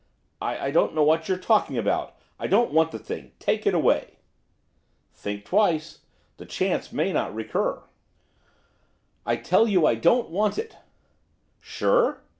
'I don't know what you're talking about. I don't want the thing. Take it away.' 'Think twice, the chance may not recur.' 'I tell you I don't want it.' 'Sure?